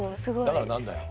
だから何だよ？